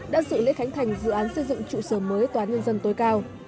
đã dự lễ khánh thành dự án xây dựng trụ sở mới tòa án nhân dân tối cao